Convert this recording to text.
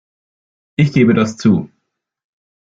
Ich gebe das zu.